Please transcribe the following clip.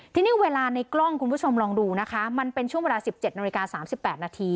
ทีนี้เวลาในกล้องคุณผู้ชมลองดูนะคะมันเป็นช่วงเวลาสิบเจ็ดนาฬิกาสามสิบแปดนาที